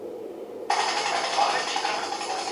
په دېغتو ژوند نسي تېرېدای .